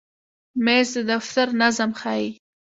مېز د دفتر نظم ښیي.